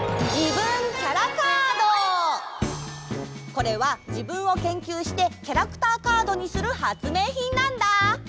これは自分を研究してキャラクターカードにする発明品なんだ！